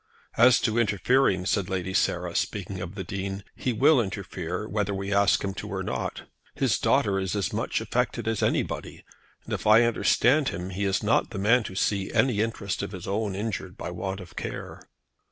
"As to interfering," said Lady Sarah, speaking of the Dean, "he will interfere, whether we ask him to or not. His daughter is as much affected as anybody, and if I understand him he is not the man to see any interest of his own injured by want of care."